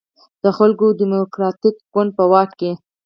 د خلکو دیموکراتیک ګوند په واک کې.